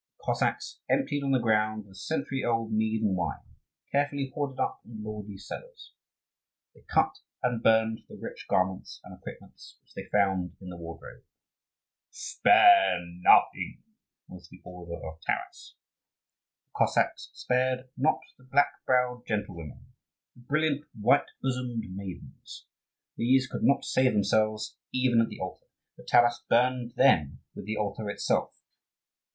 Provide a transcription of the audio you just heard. The Cossacks emptied on the ground the century old mead and wine, carefully hoarded up in lordly cellars; they cut and burned the rich garments and equipments which they found in the wardrobes. "Spare nothing," was the order of Taras. The Cossacks spared not the black browed gentlewomen, the brilliant, white bosomed maidens: these could not save themselves even at the altar, for Taras burned them with the altar itself.